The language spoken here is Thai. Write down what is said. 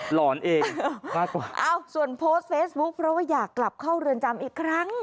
หลอนเองมากกว่าเอ้าส่วนโพสต์เฟซบุ๊คเพราะว่าอยากกลับเข้าเรือนจำอีกครั้ง